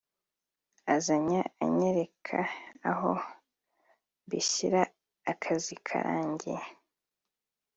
azanya anyereka aho mbishyira akazi karangiye